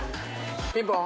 ピンポン。